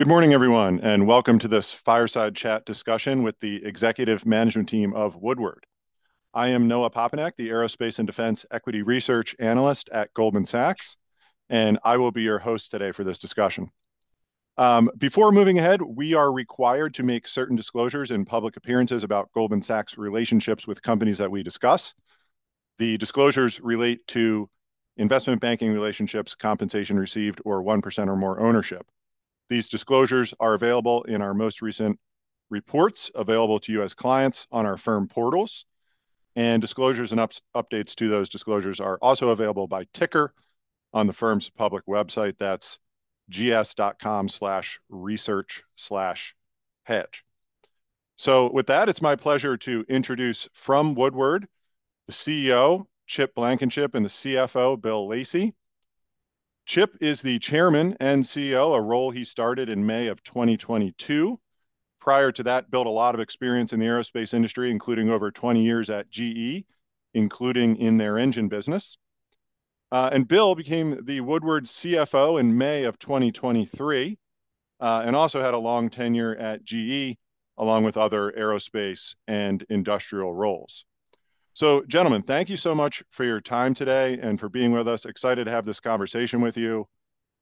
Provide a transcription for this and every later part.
Good morning, everyone, and welcome to this fireside chat discussion with the executive management team of Woodward. I am Noah Poponak, the aerospace and defense equity research analyst at Goldman Sachs, and I will be your host today for this discussion. Before moving ahead, we are required to make certain disclosures and public appearances about Goldman Sachs' relationships with companies that we discuss. The disclosures relate to investment banking relationships, compensation received, or 1% or more ownership. These disclosures are available in our most recent reports, available to you as clients on our firm portals, and disclosures and updates to those disclosures are also available by ticker on the firm's public website. That's gs.com/research/hedge. So with that, it's my pleasure to introduce from Woodward, the CEO, Chip Blankenship, and the CFO, Bill Lacey. Chip is the chairman and CEO, a role he started in May of 2022. Prior to that, built a lot of experience in the aerospace industry, including over 20 years at GE, including in their engine business. And Bill became the Woodward CFO in May of 2023, and also had a long tenure at GE, along with other aerospace and industrial roles. So, gentlemen, thank you so much for your time today and for being with us. Excited to have this conversation with you.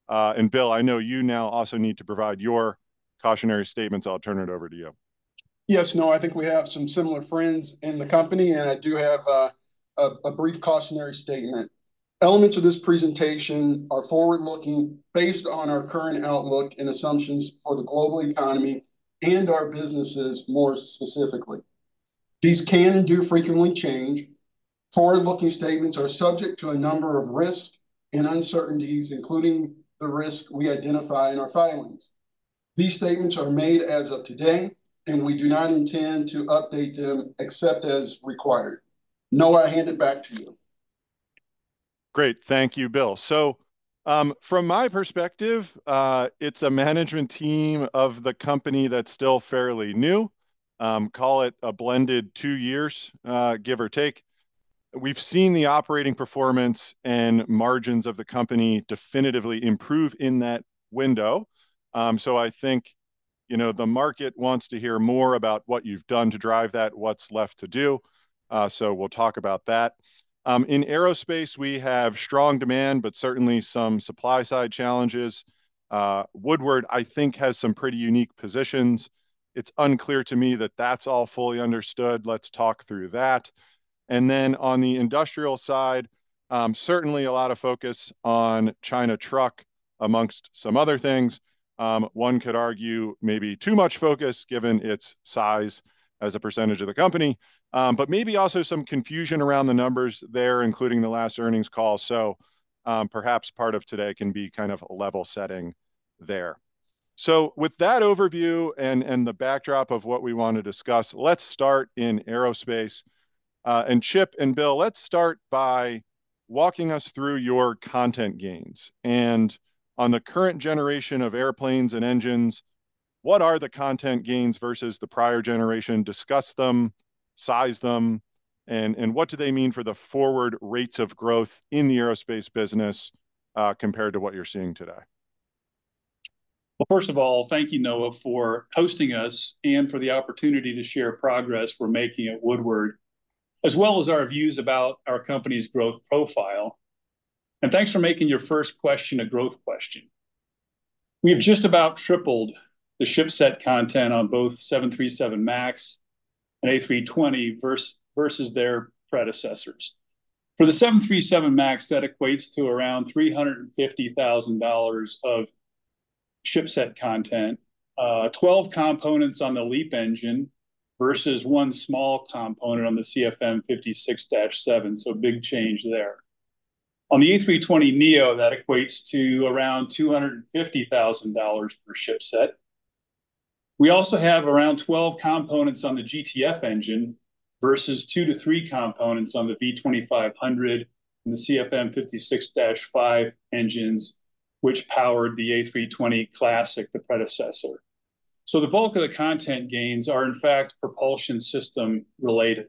And Bill, I know you now also need to provide your cautionary statements. I'll turn it over to you. Yes, Noah, I think we have some similar friends in the company, and I do have a brief cautionary statement. Elements of this presentation are forward-looking, based on our current outlook and assumptions for the global economy and our businesses, more specifically. These can and do frequently change. Forward-looking statements are subject to a number of risks and uncertainties, including the risks we identify in our filings. These statements are made as of today, and we do not intend to update them except as required. Noah, I hand it back to you. Great. Thank you, Bill, so from my perspective, it's a management team of the company that's still fairly new. Call it a blended two years, give or take. We've seen the operating performance and margins of the company definitively improve in that window, so I think, you know, the market wants to hear more about what you've done to drive that, what's left to do, so we'll talk about that. In aerospace, we have strong demand, but certainly some supply side challenges. Woodward, I think, has some pretty unique positions. It's unclear to me that that's all fully understood. Let's talk through that, and then on the industrial side, certainly a lot of focus on China truck, among some other things. One could argue maybe too much focus, given its size as a percentage of the company, but maybe also some confusion around the numbers there, including the last earnings call. So, perhaps part of today can be kind of a level setting there. So with that overview and, and the backdrop of what we want to discuss, let's start in aerospace. And Chip and Bill, let's start by walking us through your content gains. And on the current generation of airplanes and engines, what are the content gains versus the prior generation? Discuss them, size them, and what do they mean for the forward rates of growth in the aerospace business, compared to what you're seeing today? First of all, thank you, Noah, for hosting us and for the opportunity to share progress we're making at Woodward, as well as our views about our company's growth profile. Thanks for making your first question a growth question. We've just about tripled the shipset content on both 737 MAX and A320 versus their predecessors. For the 737 MAX, that equates to around $350,000 of shipset content, 12 components on the LEAP engine versus one small component on the CFM56-7, so big change there. On the A320neo, that equates to around $250,000 per shipset. We also have around 12 components on the GTF engine, versus two to three components on the V2500 and the CFM56-5 engines, which powered the A320 Classic, the predecessor. So the bulk of the content gains are, in fact, propulsion system-related.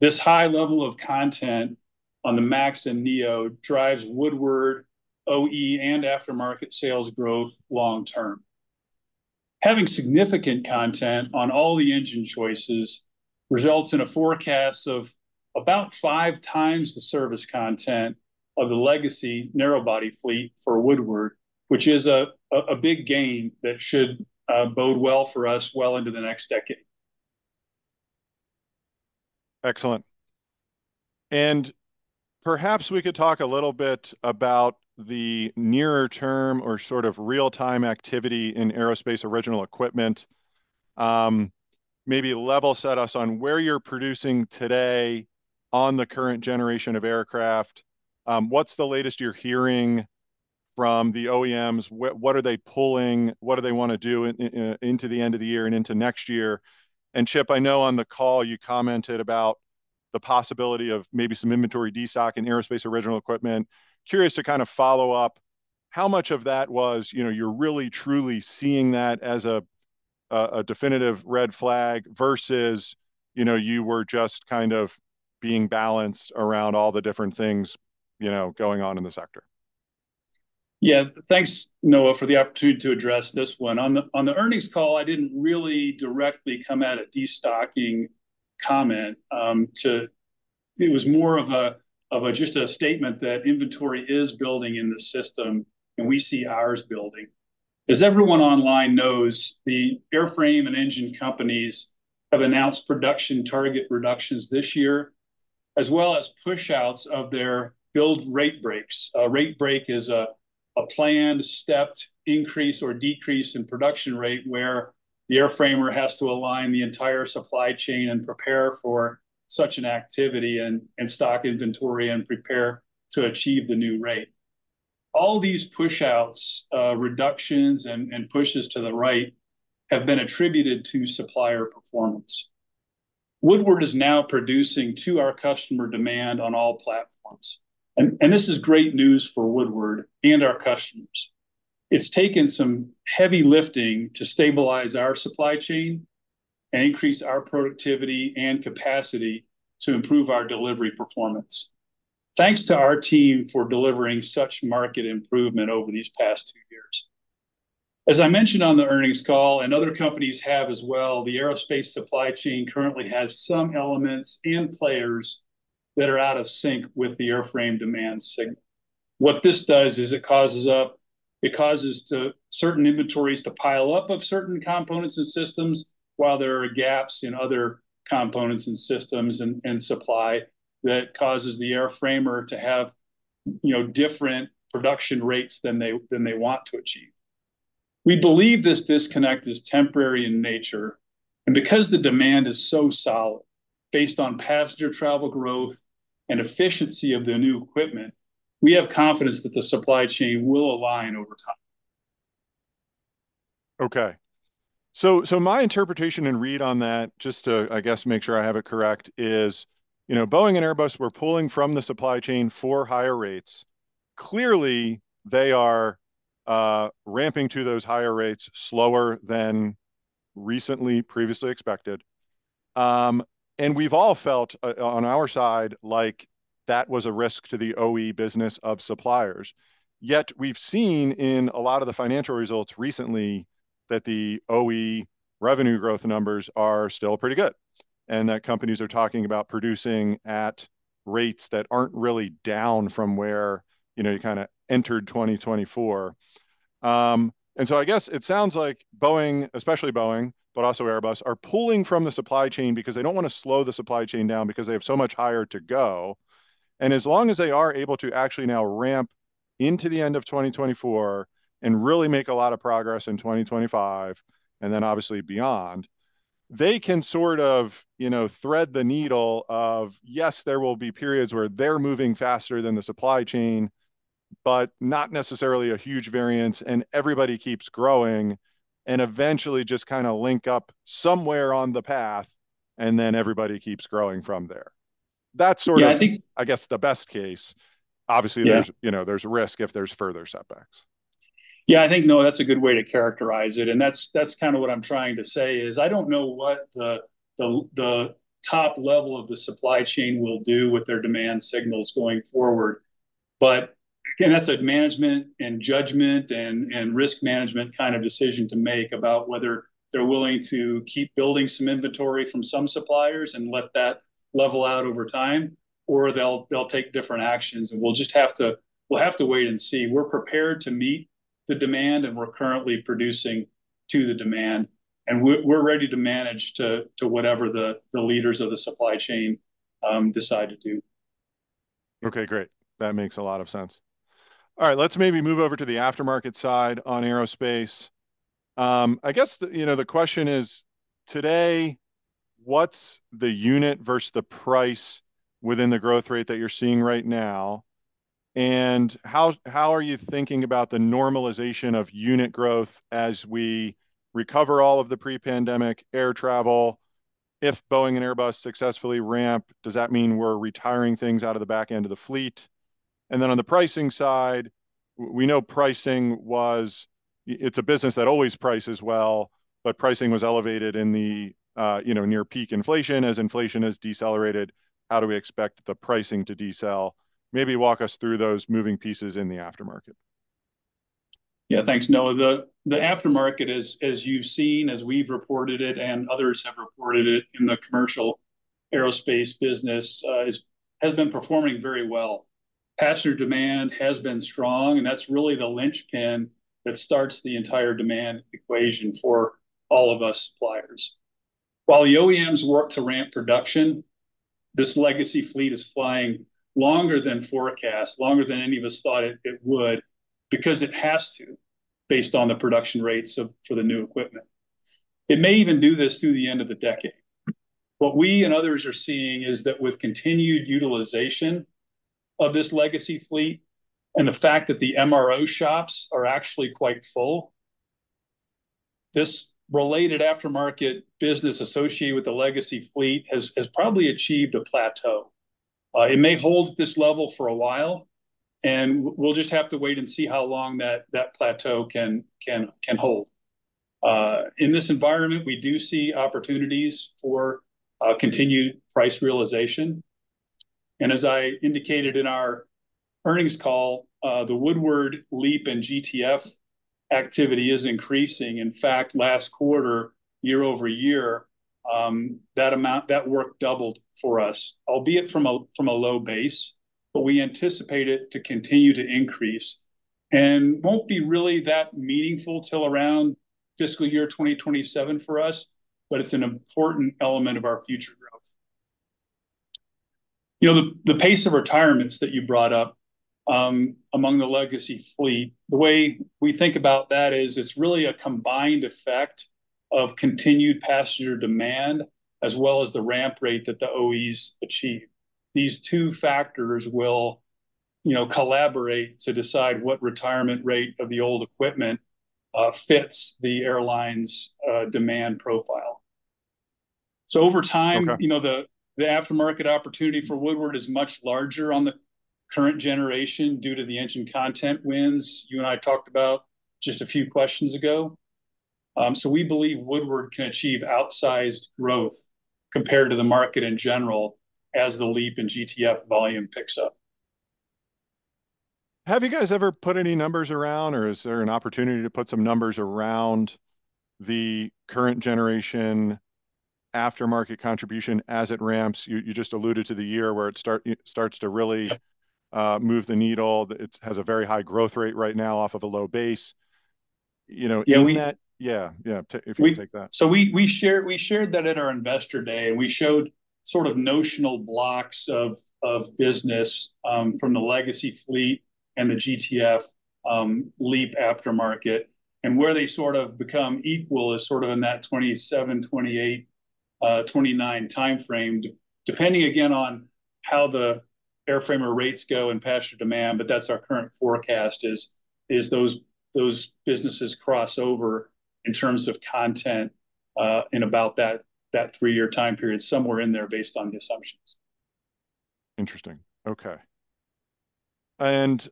This high level of content on the MAX and neo drives Woodward OE and aftermarket sales growth long-term. Having significant content on all the engine choices results in a forecast of about five times the service content of the legacy narrow body fleet for Woodward, which is a big gain that should bode well for us well into the next decade. Excellent. And perhaps we could talk a little bit about the nearer-term or sort of real-time activity in aerospace original equipment. Maybe level set us on where you're producing today on the current generation of aircraft. What's the latest you're hearing from the OEMs? What are they pulling? What do they wanna do into the end of the year and into next year? And Chip, I know on the call you commented about the possibility of maybe some inventory de-stock in aerospace original equipment. Curious to kind of follow up, how much of that was, you know, you're really, truly seeing that as a definitive red flag versus, you know, you were just kind of being balanced around all the different things, you know, going on in the sector? Yeah, thanks, Noah, for the opportunity to address this one. On the earnings call, I didn't really directly come at a destocking comment. It was more of a just a statement that inventory is building in the system, and we see ours building. As everyone online knows, the airframe and engine companies have announced production target reductions this year, as well as pushouts of their build rate breaks. A rate break is a planned, stepped increase or decrease in production rate, where the airframer has to align the entire supply chain and prepare for such an activity and stock inventory and prepare to achieve the new rate. All these pushouts, reductions and pushes to the right have been attributed to supplier performance. Woodward is now producing to our customer demand on all platforms, and this is great news for Woodward and our customers. It's taken some heavy lifting to stabilize our supply chain and increase our productivity and capacity to improve our delivery performance. Thanks to our team for delivering such market improvement over these past two years. As I mentioned on the earnings call, and other companies have as well, the aerospace supply chain currently has some elements and players that are out of sync with the airframe demand signal. What this does is it causes certain inventories to pile up of certain components and systems, while there are gaps in other components and systems and supply, that causes the airframer to have, you know, different production rates than they want to achieve. We believe this disconnect is temporary in nature, and because the demand is so solid, based on passenger travel growth and efficiency of the new equipment, we have confidence that the supply chain will align over time. Okay. So my interpretation and read on that, just to, I guess, make sure I have it correct, is, you know, Boeing and Airbus were pulling from the supply chain for higher rates. Clearly, they are ramping to those higher rates slower than recently previously expected, and we've all felt on our side like that was a risk to the OE business of suppliers. Yet, we've seen in a lot of the financial results recently that the OE revenue growth numbers are still pretty good, and that companies are talking about producing at rates that aren't really down from where, you know, you kind of entered twenty twenty-four, and so I guess it sounds like Boeing, especially Boeing, but also Airbus, are pulling from the supply chain because they don't wanna slow the supply chain down because they have so much higher to go. As long as they are able to actually now ramp into the end of 2024 and really make a lot of progress in 2025, and then obviously beyond, they can sort of, you know, thread the needle of, yes, there will be periods where they're moving faster than the supply chain, but not necessarily a huge variance, and everybody keeps growing and eventually just kind of link up somewhere on the path, and then everybody keeps growing from there. That's sort of- Yeah, I think- I guess, the best case. Obviously- Yeah... there's, you know, there's risk if there's further setbacks. Yeah, I think, Noah, that's a good way to characterize it, and that's kind of what I'm trying to say is, I don't know what the top level of the supply chain will do with their demand signals going forward. But again, that's a management and judgment and risk management kind of decision to make about whether they're willing to keep building some inventory from some suppliers and let that level out over time, or they'll take different actions. And we'll just have to wait and see. We're prepared to meet the demand, and we're currently producing to the demand, and we're ready to manage to whatever the leaders of the supply chain decide to do. Okay, great. That makes a lot of sense. All right, let's maybe move over to the aftermarket side on aerospace. I guess, you know, the question is, today, what's the unit versus the price within the growth rate that you're seeing right now? And how are you thinking about the normalization of unit growth as we recover all of the pre-pandemic air travel? If Boeing and Airbus successfully ramp, does that mean we're retiring things out of the back end of the fleet? And then on the pricing side, we know pricing was... it's a business that always prices well, but pricing was elevated in the, you know, near peak inflation. As inflation has decelerated, how do we expect the pricing to decel? Maybe walk us through those moving pieces in the aftermarket. Yeah, thanks, Noah. The aftermarket, as you've seen, as we've reported it, and others have reported it in the commercial aerospace business, has been performing very well. Passenger demand has been strong, and that's really the linchpin that starts the entire demand equation for all of us suppliers. While the OEMs work to ramp production, this legacy fleet is flying longer than forecast, longer than any of us thought it would, because it has to, based on the production rates for the new equipment. It may even do this through the end of the decade. What we and others are seeing is that with continued utilization of this legacy fleet and the fact that the MRO shops are actually quite full, this related aftermarket business associated with the legacy fleet has probably achieved a plateau. It may hold this level for a while, and we'll just have to wait and see how long that plateau can hold. In this environment, we do see opportunities for continued price realization. And as I indicated in our earnings call, the Woodward LEAP and GTF activity is increasing. In fact, last quarter, year-over-year, that work doubled for us, albeit from a low base, but we anticipate it to continue to increase. And won't be really that meaningful till around fiscal year 2027 for us, but it's an important element of our future growth. You know, the pace of retirements that you brought up, among the legacy fleet, the way we think about that is it's really a combined effect of continued passenger demand, as well as the ramp rate that the OEs achieve. These two factors will, you know, collaborate to decide what retirement rate of the old equipment fits the airline's demand profile. So over time- Okay... you know, the aftermarket opportunity for Woodward is much larger on the current generation due to the engine content wins you and I talked about just a few questions ago. So we believe Woodward can achieve outsized growth compared to the market in general, as the LEAP and GTF volume picks up. Have you guys ever put any numbers around, or is there an opportunity to put some numbers around the current generation aftermarket contribution as it ramps? You, you just alluded to the year where it starts to really move the needle. It has a very high growth rate right now off of a low base. You know, in that- Yeah, we- Yeah, yeah. If you can take that. So we shared that at our Investor Day, and we showed sort of notional blocks of business from the legacy fleet and the GTF LEAP aftermarket. And where they sort of become equal is sort of in that 2027, 2028, 2029 time frame, depending again on how the airframer rates go and passenger demand, but that's our current forecast is those businesses cross over in terms of content in about that three-year time period, somewhere in there, based on the assumptions. Interesting. Okay. And,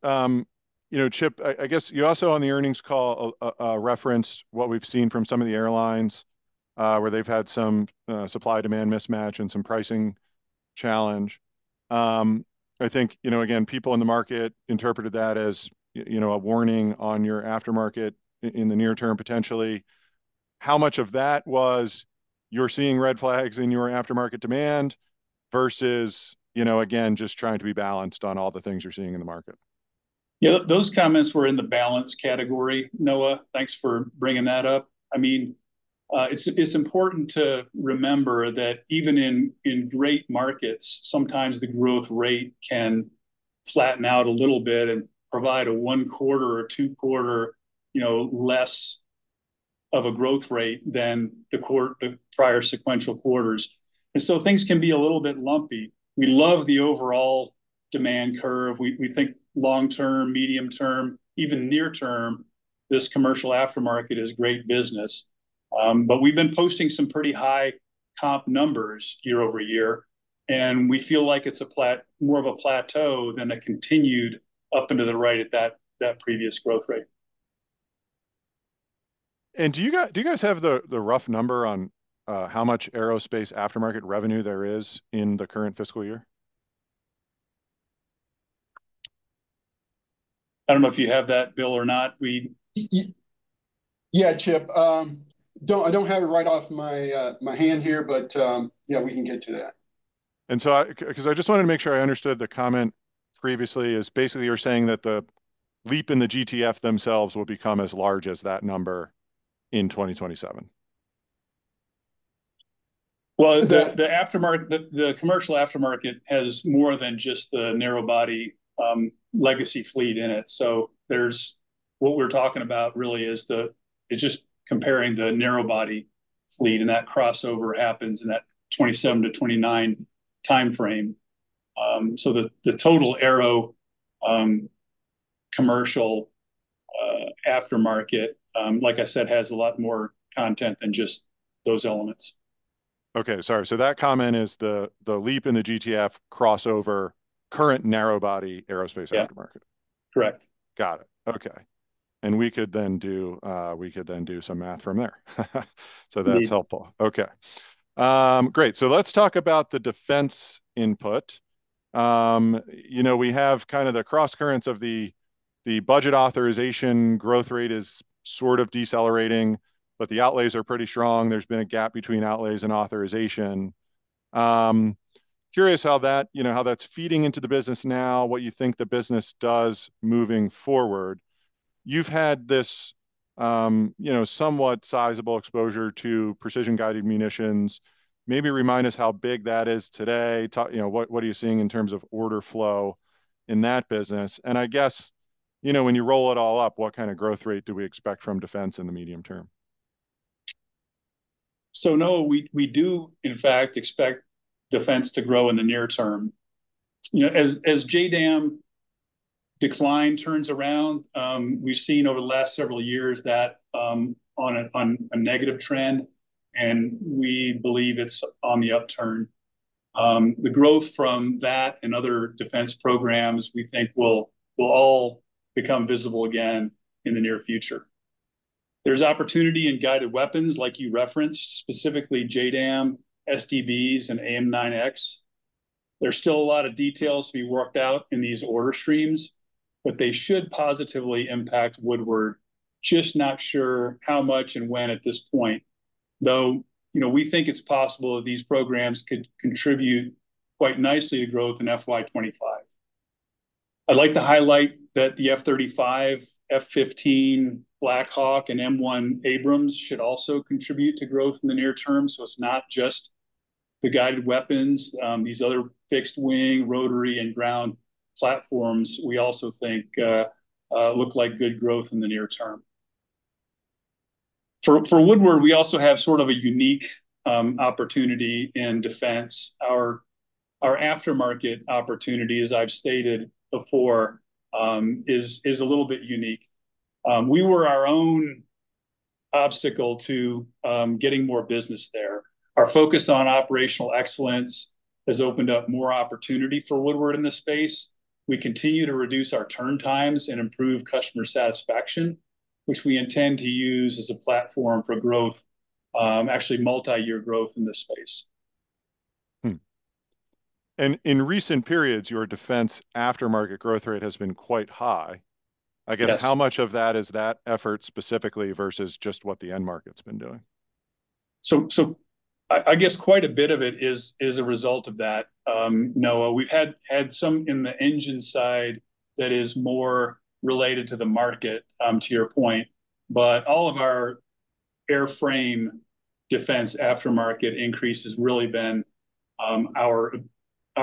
you know, Chip, I, I guess you also, on the earnings call, referenced what we've seen from some of the airlines, where they've had some supply-demand mismatch and some pricing challenge. I think, you know, again, people in the market interpreted that as, you know, a warning on your aftermarket in the near term, potentially. How much of that was you're seeing red flags in your aftermarket demand, versus, you know, again, just trying to be balanced on all the things you're seeing in the market? Yeah, those comments were in the balance category, Noah. Thanks for bringing that up. I mean, it's important to remember that even in great markets, sometimes the growth rate can flatten out a little bit and provide a one-quarter or two-quarter, you know, less of a growth rate than the prior sequential quarters, so things can be a little bit lumpy. We love the overall demand curve. We think long term, medium term, even near term, this commercial aftermarket is great business, but we've been posting some pretty high comp numbers year-over-year, and we feel like it's more of a plateau than a continued up and to the right at that previous growth rate. Do you guys have the rough number on how much aerospace aftermarket revenue there is in the current fiscal year? I don't know if you have that, Bill, or not. We- Yeah, Chip. I don't have it right offhand, but yeah, we can get you that. 'Cause I just wanted to make sure I understood the comment previously, is basically you're saying that the LEAP and the GTF themselves will become as large as that number in 2027? The aftermarket the commercial aftermarket has more than just the narrow body legacy fleet in it. So there's what we're talking about really is it's just comparing the narrow body fleet, and that crossover happens in that 2027 to 2029 time frame. So the total aero commercial aftermarket, like I said, has a lot more content than just those elements. Okay, sorry. So that comment is the LEAP and the GTF crossover current narrow body aerospace aftermarket? Yeah. Correct. Got it. Okay. And we could then do some math from there. So that's helpful. Okay. Great, so let's talk about the defense input. You know, we have kind of the crosscurrents of the budget authorization growth rate is sort of decelerating, but the outlays are pretty strong. There's been a gap between outlays and authorization. Curious how that, you know, how that's feeding into the business now, what you think the business does moving forward. You've had this, you know, somewhat sizable exposure to precision-guided munitions. Maybe remind us how big that is today. You know, what are you seeing in terms of order flow in that business? And I guess, you know, when you roll it all up, what kind of growth rate do we expect from defense in the medium term? So Noah, we do in fact expect defense to grow in the near term. You know, as JDAM decline turns around, we've seen over the last several years that, on a negative trend, and we believe it's on the upturn. The growth from that and other defense programs, we think will all become visible again in the near future. There's opportunity in guided weapons, like you referenced, specifically JDAM, SDBs, and AIM-9X. There's still a lot of details to be worked out in these order streams, but they should positively impact Woodward. Just not sure how much and when at this point, though, you know, we think it's possible these programs could contribute quite nicely to growth in FY twenty-five. I'd like to highlight that the F-35, F-15, Black Hawk, and M1 Abrams should also contribute to growth in the near term, so it's not just the guided weapons. These other fixed wing, rotary, and ground platforms, we also think, look like good growth in the near term. For Woodward, we also have sort of a unique opportunity in defense. Our aftermarket opportunity, as I've stated before, is a little bit unique. We were our own obstacle to getting more business there. Our focus on operational excellence has opened up more opportunity for Woodward in this space. We continue to reduce our turn times and improve customer satisfaction, which we intend to use as a platform for growth, actually multi-year growth in this space. And in recent periods, your defense aftermarket growth rate has been quite high. Yes. I guess how much of that is that effort specifically versus just what the end market's been doing? I guess quite a bit of it is a result of that. Noah, we've had some in the engine side that is more related to the market, to your point, but all of our airframe defense aftermarket increase has really been our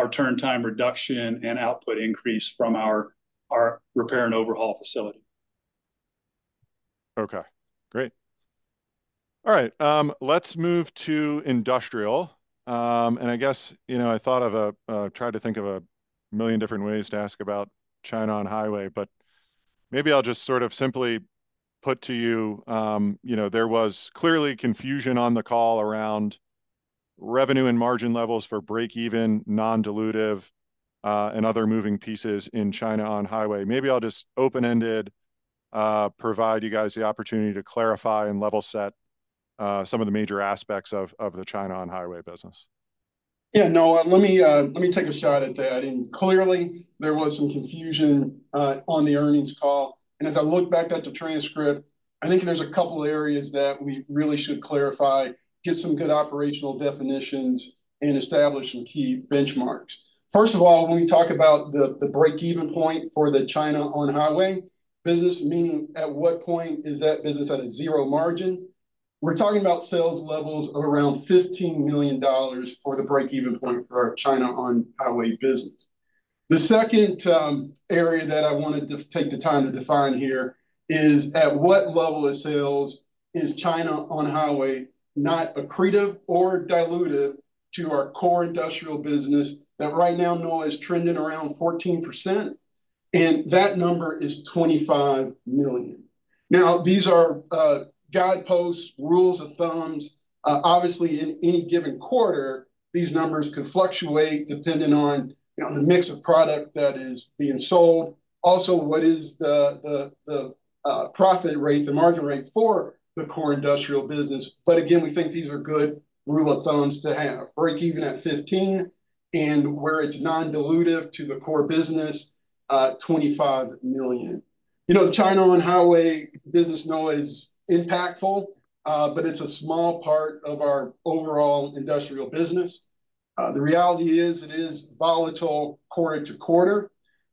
turn time reduction and output increase from our repair and overhaul facility. Okay, great. All right, let's move to industrial. And I guess, you know, I thought of a million different ways to ask about China On-Highway, but maybe I'll just sort of simply put to you, you know, there was clearly confusion on the call around revenue and margin levels for break-even, non-dilutive, and other moving pieces in China On-Highway. Maybe I'll just open-ended, provide you guys the opportunity to clarify and level set, some of the major aspects of the China On-Highway business. Yeah, Noah, let me take a shot at that. Clearly, there was some confusion on the earnings call, and as I look back at the transcript, I think there's a couple areas that we really should clarify, get some good operational definitions, and establish some key benchmarks. First of all, when we talk about the break-even point for the China On-Highway business, meaning at what point is that business at a zero margin? We're talking about sales levels of around $15 million for the break-even point for our China On-Highway business. The second area that I wanted to take the time to define here is, at what level of sales is China On-Highway not accretive or dilutive to our core industrial business that right now, Noah, is trending around 14%, and that number is $25 million. Now, these are guideposts, rules of thumb. Obviously, in any given quarter, these numbers could fluctuate depending on, you know, the mix of product that is being sold. Also, what is the profit rate, the margin rate for the core industrial business? But again, we think these are good rules of thumb to have, break-even at $15 million, and where it's non-dilutive to the core business, $25 million. You know, the China On-Highway business, Noah, is impactful, but it's a small part of our overall industrial business. The reality is, it is volatile quarter to quarter,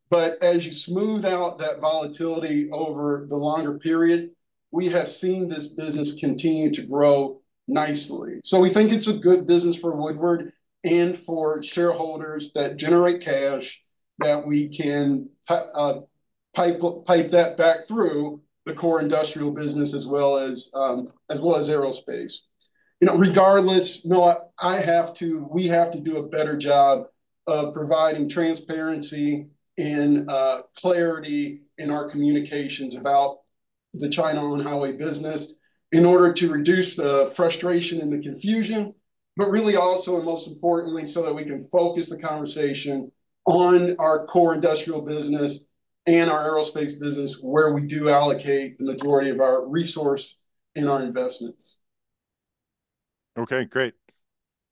but as you smooth out that volatility over the longer period, we have seen this business continue to grow nicely. So we think it's a good business for Woodward and for shareholders that generate cash, that we can pipe that back through the core industrial business as well as aerospace. You know, regardless, Noah, we have to do a better job of providing transparency and clarity in our communications about the China On-Highway business in order to reduce the frustration and the confusion, but really also, and most importantly, so that we can focus the conversation on our core industrial business and our aerospace business, where we do allocate the majority of our resource and our investments. Okay, great.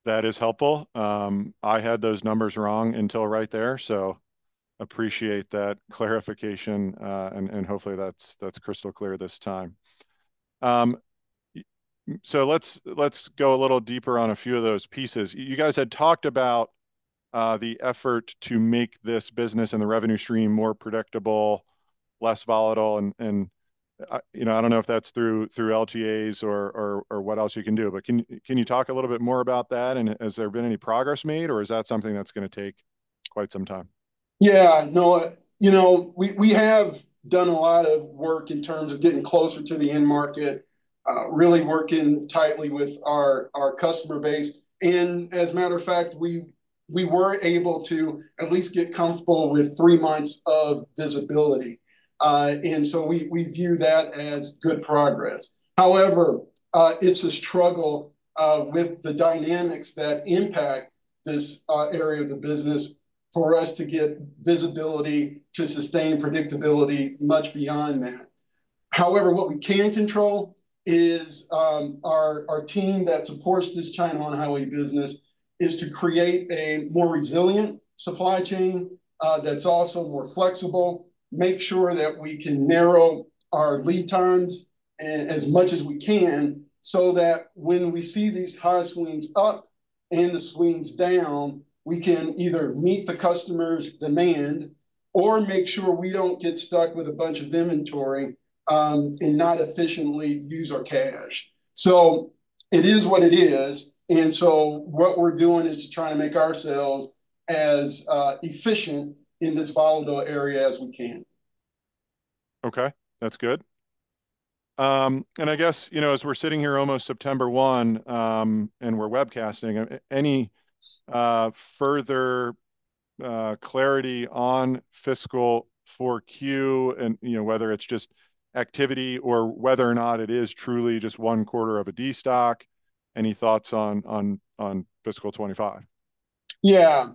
That is helpful. I had those numbers wrong until right there, so appreciate that clarification, and hopefully, that's crystal clear this time. So let's go a little deeper on a few of those pieces. You guys had talked about the effort to make this business and the revenue stream more predictable, less volatile, and you know, I don't know if that's through LTAs or what else you can do, but can you talk a little bit more about that? And has there been any progress made, or is that something that's gonna take quite some time? Yeah, Noah, you know, we have done a lot of work in terms of getting closer to the end market, really working tightly with our customer base. And as a matter of fact, we were able to at least get comfortable with three months of visibility. And so we view that as good progress. However, it's a struggle with the dynamics that impact this area of the business for us to get visibility to sustain predictability much beyond that. However, what we can control is our team that supports this China on-highway business is to create a more resilient supply chain that's also more flexible, make sure that we can narrow our lead times as much as we can, so that when we see these high swings up and the swings down, we can either meet the customer's demand or make sure we don't get stuck with a bunch of inventory and not efficiently use our cash. So it is what it is, and so what we're doing is to try and make ourselves as efficient in this volatile area as we can. Okay, that's good. And I guess, you know, as we're sitting here almost September 1, and we're webcasting, any further clarity on fiscal 4Q? And, you know, whether it's just activity or whether or not it is truly just one quarter of a destocking. Any thoughts on fiscal '25? Yeah.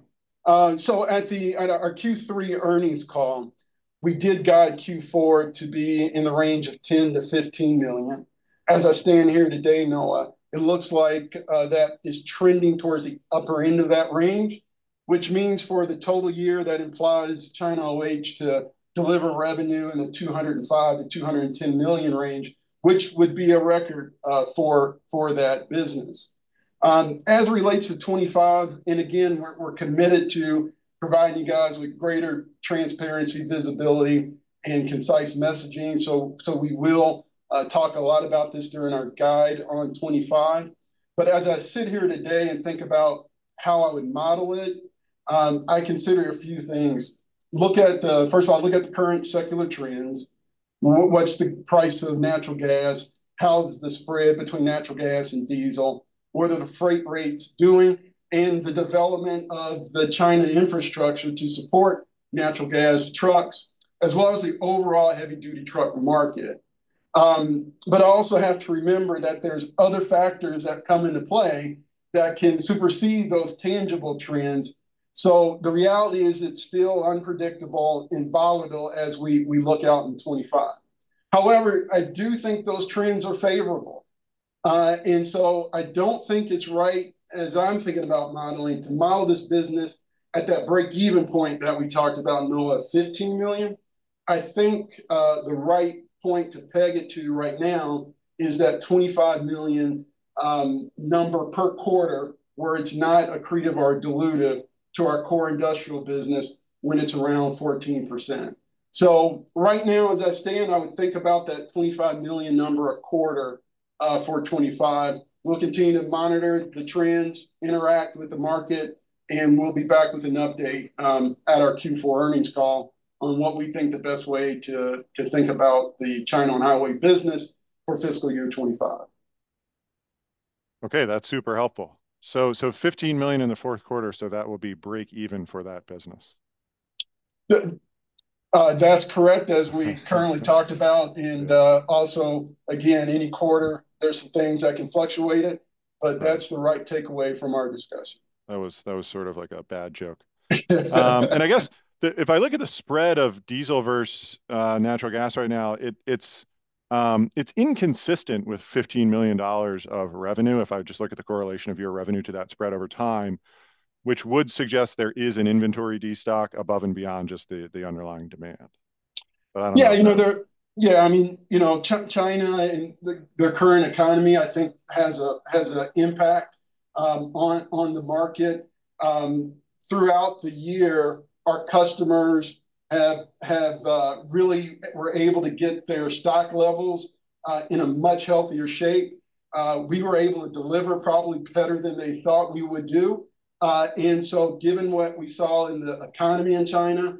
So at our Q3 earnings call, we did guide Q4 to be in the range of $10 million-$15 million. As I stand here today, Noah, it looks like that is trending towards the upper end of that range, which means for the total year, that implies China On-Highway to deliver revenue in the $205 million-$210 million range, which would be a record for that business. As it relates to 2025, and again, we're committed to providing you guys with greater transparency, visibility, and concise messaging, so we will talk a lot about this during our guide on 2025, but as I sit here today and think about how I would model it, I consider a few things. First of all, look at the current secular trends. What's the price of natural gas? How is the spread between natural gas and diesel? What are the freight rates doing? And the development of the China infrastructure to support natural gas trucks, as well as the overall heavy-duty truck market. But also have to remember that there's other factors that come into play that can supersede those tangible trends. So the reality is, it's still unpredictable and volatile as we look out in 2025. However, I do think those trends are favorable. And so I don't think it's right, as I'm thinking about modeling, to model this business at that break-even point that we talked about, Noah, $15 million. I think the right point to peg it to right now is that $25 million number per quarter, where it's not accretive or dilutive to our core industrial business when it's around 14%. So right now, as I stand, I would think about that $25 million number a quarter for 2025. We'll continue to monitor the trends, interact with the market, and we'll be back with an update at our Q4 earnings call on what we think the best way to think about the China On-Highway business for fiscal year 2025. Okay, that's super helpful. So, so $15 million in the Q4, so that will be break-even for that business? That's correct, as we currently talked about, and also again, any quarter, there's some things that can fluctuate it but that's the right takeaway from our discussion. That was, that was sort of like a bad joke, and I guess the... If I look at the spread of diesel versus natural gas right now, it, it's inconsistent with $15 million of revenue, if I just look at the correlation of your revenue to that spread over time, which would suggest there is an inventory destock above and beyond just the underlying demand. But I don't know. Yeah, you know, there— Yeah, I mean, you know, China and their current economy, I think, has a, has a impact on the market. Throughout the year, our customers have really were able to get their stock levels in a much healthier shape. We were able to deliver probably better than they thought we would do. Given what we saw in the economy in China,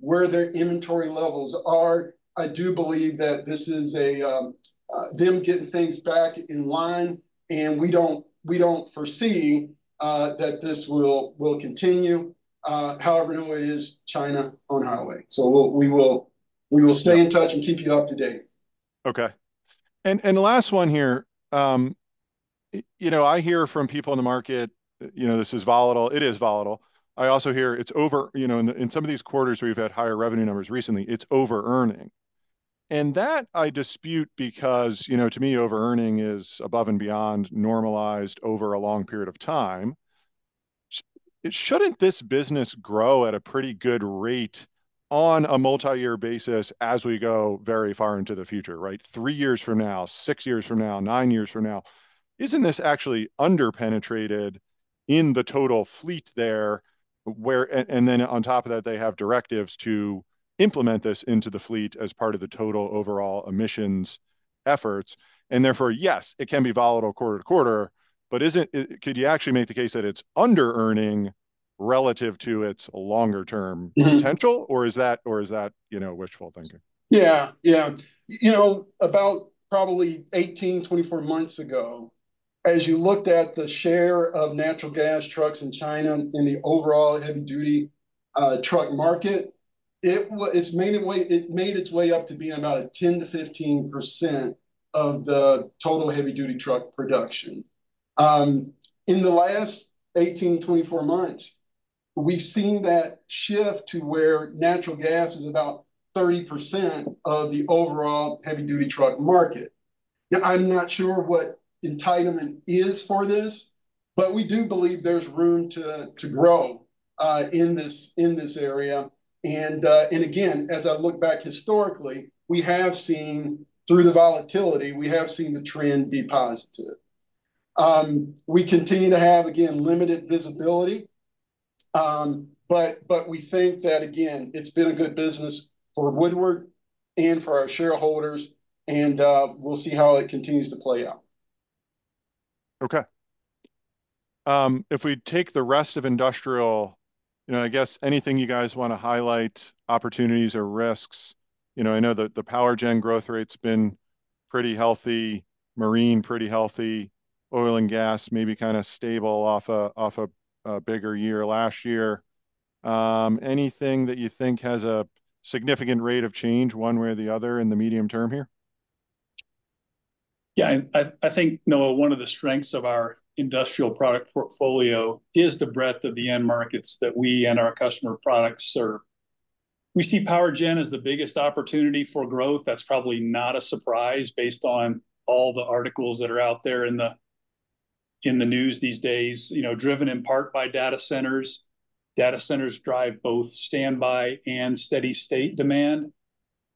where their inventory levels are, I do believe that this is them getting things back in line, and we don't, we don't foresee that this will continue. However, it is China On-Highway, so we will stay in touch and keep you up to date. Okay. And the last one here, you know, I hear from people in the market, you know, this is volatile. It is volatile. I also hear it's over. You know, in the, in some of these quarters where we've had higher revenue numbers recently, it's over-earning. And that I dispute because, you know, to me, over-earning is above and beyond normalized over a long period of time. Shouldn't this business grow at a pretty good rate on a multi-year basis as we go very far into the future, right? Three years from now, six years from now, nine years from now, isn't this actually under-penetrated in the total fleet there, where... and then on top of that, they have directives to implement this into the fleet as part of the total overall emissions efforts. And therefore, yes, it can be volatile quarter to quarter, but isn't it? Could you actually make the case that it's under-earning?... relative to its longer term potential, or is that, you know, wishful thinking? Yeah, yeah. You know, about probably 18, 24 months ago, as you looked at the share of natural gas trucks in China in the overall heavy-duty truck market, it made its way up to being about a 10%-15% of the total heavy-duty truck production. In the last 18 to 24 months, we've seen that shift to where natural gas is about 30% of the overall heavy-duty truck market. Now, I'm not sure what entitlement is for this, but we do believe there's room to grow in this area. And again, as I look back historically, we have seen, through the volatility, we have seen the trend be positive. We continue to have, again, limited visibility, but we think that, again, it's been a good business for Woodward and for our shareholders, and we'll see how it continues to play out. Okay. If we take the rest of industrial, you know, I guess anything you guys wanna highlight, opportunities or risks? You know, I know the power gen growth rate's been pretty healthy, marine pretty healthy, oil and gas maybe kind of stable off a bigger year last year. Anything that you think has a significant rate of change one way or the other in the medium term here? Yeah, I think, Noah, one of the strengths of our industrial product portfolio is the breadth of the end markets that we and our customer products serve. We see power gen as the biggest opportunity for growth. That's probably not a surprise, based on all the articles that are out there in the news these days. You know, driven in part by data centers. Data centers drive both standby and steady state demand,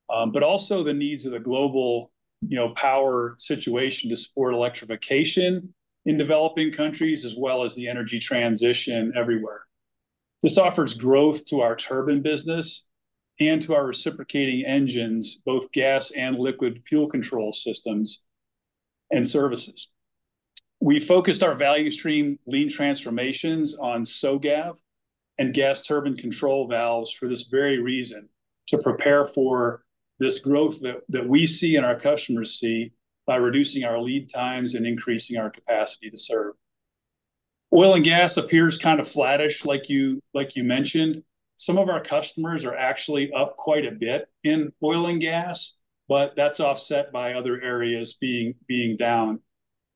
but also the needs of the global, you know, power situation to support electrification in developing countries, as well as the energy transition everywhere. This offers growth to our turbine business and to our reciprocating engines, both gas and liquid fuel control systems and services. We focused our value stream lean transformations on SOVs and gas turbine control valves for this very reason, to prepare for this growth that we see and our customers see, by reducing our lead times and increasing our capacity to serve. Oil and gas appears kind of flattish, like you mentioned. Some of our customers are actually up quite a bit in oil and gas, but that's offset by other areas being down.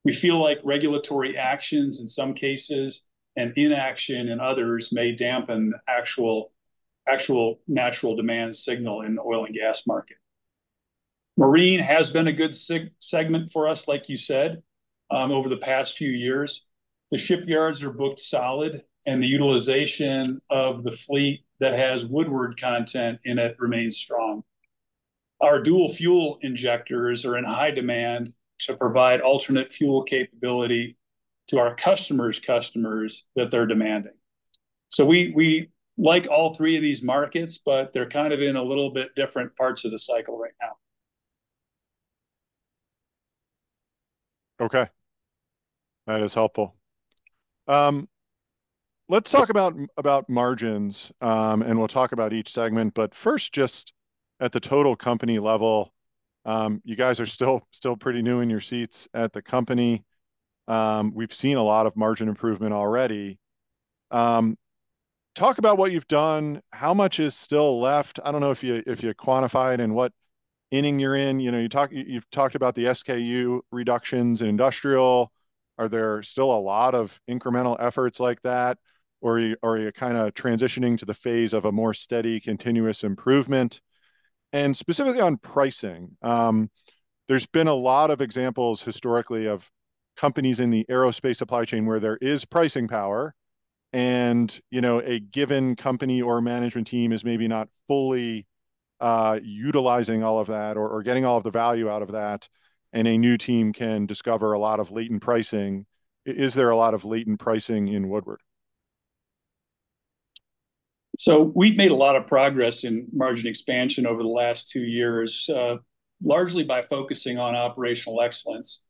We feel like regulatory actions in some cases, and inaction in others, may dampen the actual natural demand signal in the oil and gas market. Marine has been a good segment for us, like you said, over the past few years. The shipyards are booked solid, and the utilization of the fleet that has Woodward content in it remains strong. Our dual fuel injectors are in high demand to provide alternate fuel capability to our customers' customers that they're demanding. So we like all three of these markets, but they're kind of in a little bit different parts of the cycle right now. Okay. That is helpful. Let's talk about margins, and we'll talk about each segment. But first, just at the total company level, you guys are still pretty new in your seats at the company. We've seen a lot of margin improvement already. Talk about what you've done, how much is still left. I don't know if you quantify it, and what inning you're in. You know, you've talked about the SKU reductions in industrial. Are there still a lot of incremental efforts like that, or are you kind of transitioning to the phase of a more steady, continuous improvement? And specifically on pricing, there's been a lot of examples historically of companies in the aerospace supply chain where there is pricing power, and, you know, a given company or management team is maybe not fully utilizing all of that or getting all of the value out of that, and a new team can discover a lot of latent pricing. Is there a lot of latent pricing in Woodward? So we've made a lot of progress in margin expansion over the last two years, largely by focusing on operational excellence.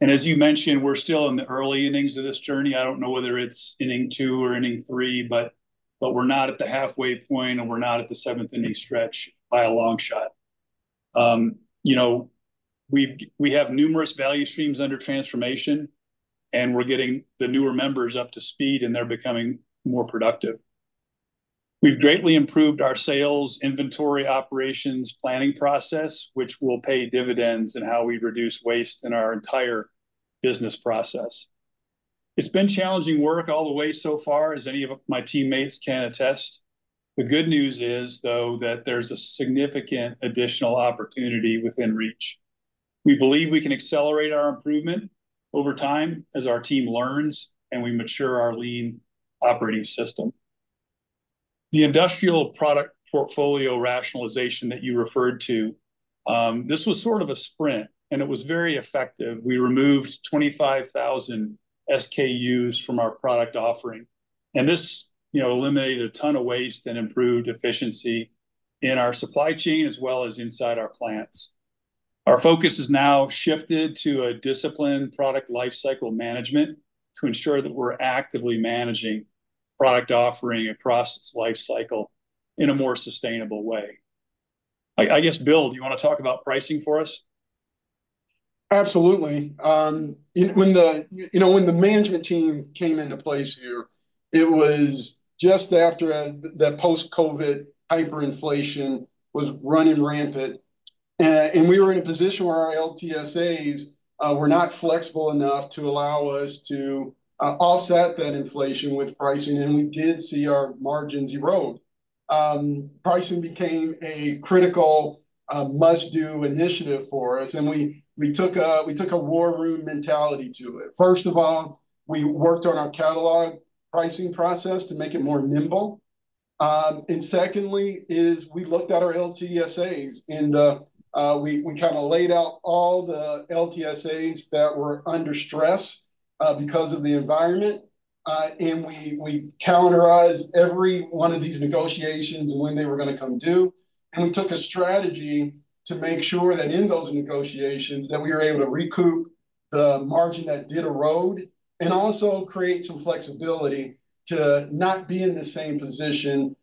And as you mentioned, we're still in the early innings of this journey. I don't know whether it's inning two or inning three, but we're not at the halfway point, and we're not at the seventh inning stretch by a long shot. You know, we have numerous value streams under transformation, and we're getting the newer members up to speed, and they're becoming more productive. We've greatly improved our sales, inventory, operations, planning process, which will pay dividends in how we reduce waste in our entire business process. It's been challenging work all the way so far, as any of my teammates can attest. The good news is, though, that there's a significant additional opportunity within reach. We believe we can accelerate our improvement over time as our team learns and we mature our lean operating system. The industrial product portfolio rationalization that you referred to, this was sort of a sprint, and it was very effective. We removed 25,000 SKUs from our product offering, and this, you know, eliminated a ton of waste and improved efficiency in our supply chain, as well as inside our plants. Our focus is now shifted to a disciplined product life cycle management to ensure that we're actively managing product offering across its life cycle in a more sustainable way. I, I guess, Bill, do you wanna talk about pricing for us? Absolutely. You know, when the management team came into place here, it was just after the post-COVID hyperinflation was running rampant, and we were in a position where our LTSAs were not flexible enough to allow us to offset that inflation with pricing, and we did see our margins erode. Pricing became a critical must-do initiative for us, and we took a war room mentality to it. First of all, we worked on our catalog pricing process to make it more nimble, and secondly is we looked at our LTSAs, and we kind of laid out all the LTSAs that were under stress because of the environment. And we calendarized every one of these negotiations and when they were gonna come due, and we took a strategy to make sure that in those negotiations, that we were able to recoup the margin that did erode, and also create some flexibility to not be in the same position,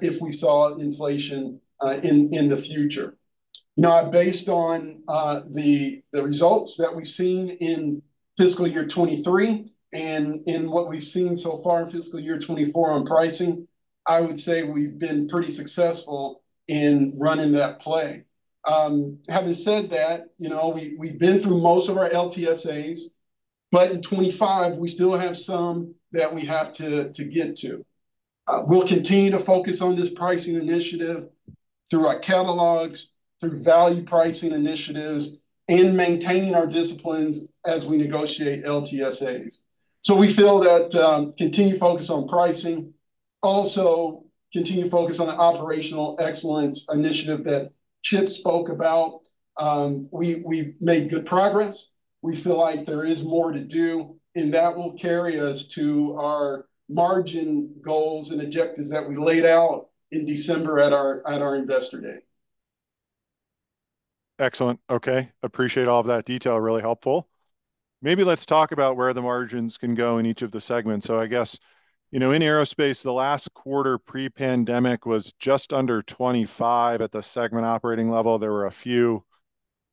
if we saw inflation in the future. Now, based on the results that we've seen in fiscal year 2023 and in what we've seen so far in fiscal year 2024 on pricing, I would say we've been pretty successful in running that play. Having said that, you know, we've been through most of our LTSAs, but in 2025, we still have some that we have to get to. We'll continue to focus on this pricing initiative through our catalogs, through value pricing initiatives, and maintaining our disciplines as we negotiate LTSAs. So we feel that continued focus on pricing, also continued focus on the operational excellence initiative that Chip spoke about, we've made good progress. We feel like there is more to do, and that will carry us to our margin goals and objectives that we laid out in December at our investor day. Excellent. Okay, appreciate all of that detail. Really helpful. Maybe let's talk about where the margins can go in each of the segments. So I guess, you know, in aerospace, the last quarter pre-pandemic was just under 25 at the segment operating level. There were a few,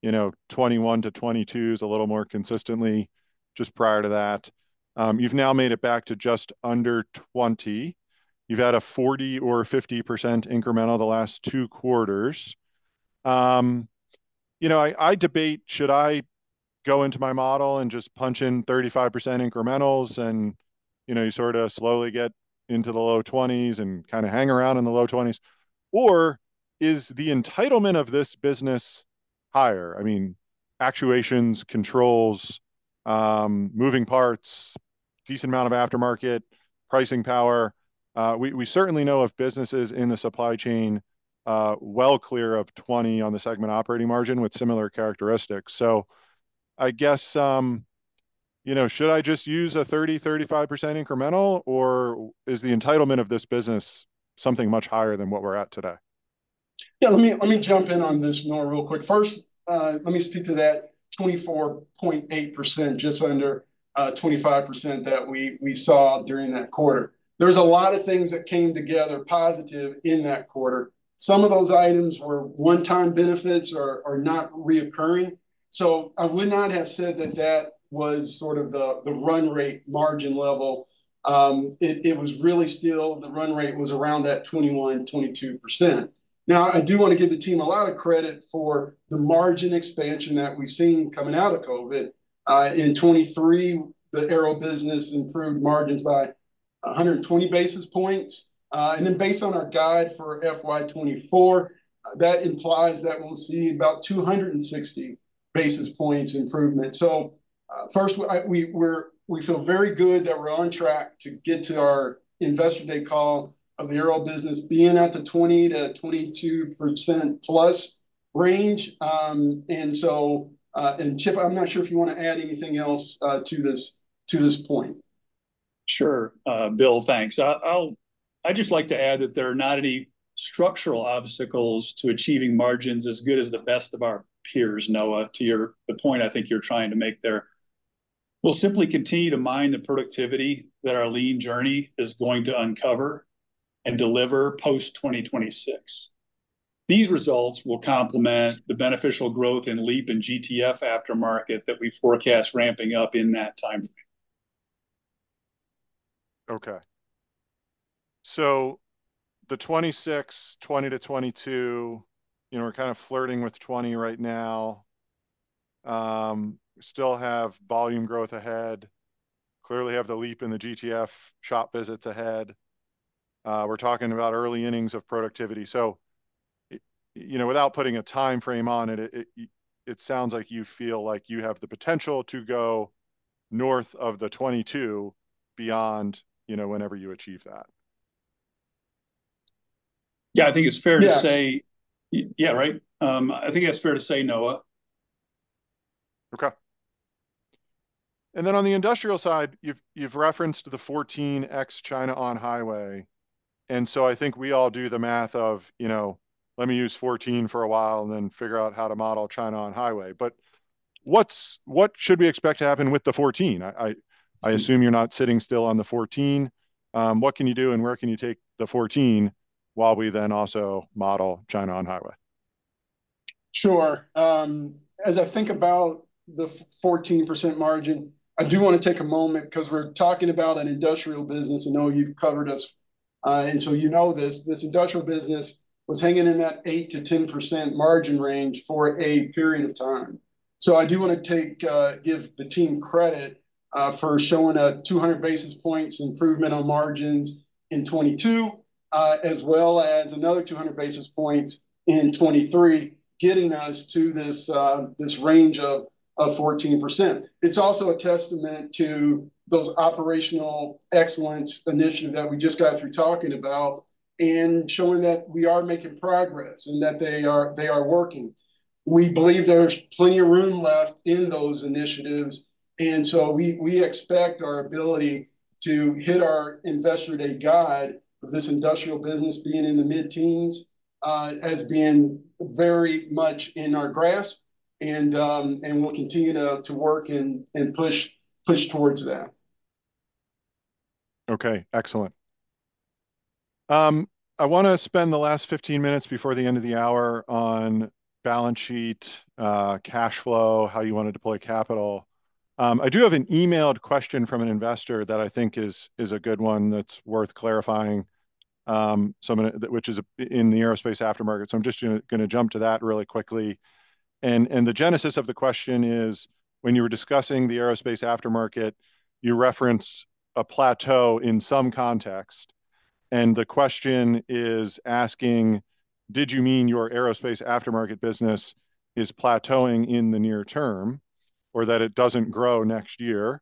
you know, 21 to 22s, a little more consistently just prior to that. You've now made it back to just under 20. You've had a 40% or 50% incremental the last two quarters. You know, I debate, should I go into my model and just punch in 35% incrementals and, you know, you sort of slowly get into the low 20s and kind of hang around in the low 20s? Or is the entitlement of this business higher? I mean, actuations, controls, moving parts, decent amount of aftermarket, pricing power. We certainly know of businesses in the supply chain, well clear of 20% on the segment operating margin with similar characteristics. So I guess, you know, should I just use a 30-35% incremental, or is the entitlement of this business something much higher than what we're at today? Yeah, let me jump in on this, Noah, real quick. First, let me speak to that 24.8%, just under 25% that we saw during that quarter. There's a lot of things that came together positive in that quarter. Some of those items were one-time benefits or not recurring, so I would not have said that was sort of the run rate margin level. It was really still, the run rate was around that 21-22%. Now, I do wanna give the team a lot of credit for the margin expansion that we've seen coming out of COVID. In 2023, the aero business improved margins by 120 basis points. And then, based on our guide for FY 2024, that implies that we'll see about 260 basis points improvement. So, first, we feel very good that we're on track to get to our investor day call of the aero business being at the 20%-22% plus range. And so, Chip, I'm not sure if you wanna add anything else to this point. Sure, Bill, thanks. I'll just like to add that there are not any structural obstacles to achieving margins as good as the best of our peers, Noah, to the point I think you're trying to make there. We'll simply continue to mine the productivity that our lean journey is going to uncover and deliver post-2026. These results will complement the beneficial growth in LEAP and GTF aftermarket that we forecast ramping up in that timeframe. Okay. So the 26, 20 to 22, you know, we're kind of flirting with 20 right now. Still have volume growth ahead, clearly have the LEAP in the GTF shop visits ahead. We're talking about early innings of productivity. So, you know, without putting a timeframe on it, it sounds like you feel like you have the potential to go north of the 22 beyond, you know, whenever you achieve that. Yeah, I think it's fair to say- Yes. Yeah, right? I think it's fair to say, Noah. Okay. And then on the industrial side, you've referenced the 14X China On-Highway, and so I think we all do the math of, you know, let me use 14 for a while, and then figure out how to model China On-Highway. But what should we expect to happen with the 14? I assume you're not sitting still on the 14. What can you do and where can you take the 14, while we then also model China On-Highway? Sure. As I think about the 14% margin, I do wanna take a moment, 'cause we're talking about an industrial business. I know you've covered us, and so you know this industrial business was hanging in that 8%-10% margin range for a period of time. So I do wanna take, give the team credit, for showing a 200 basis points improvement on margins in 2022, as well as another 200 basis points in 2023, getting us to this range of 14%. It's also a testament to those operational excellence initiative that we just got through talking about, and showing that we are making progress, and that they are working. We believe there's plenty of room left in those initiatives, and so we expect our ability to hit our Investor Day guide of this industrial business being in the mid-teens, as being very much in our grasp, and we'll continue to work and push towards that. Okay, excellent. I wanna spend the last fifteen minutes before the end of the hour on balance sheet, cash flow, how you wanna deploy capital. I do have an emailed question from an investor that I think is a good one that's worth clarifying, so I'm gonna. Which is in the aerospace aftermarket. So I'm just gonna jump to that really quickly. And the genesis of the question is, when you were discussing the aerospace aftermarket, you referenced a plateau in some context, and the question is asking: did you mean your aerospace aftermarket business is plateauing in the near term, or that it doesn't grow next year?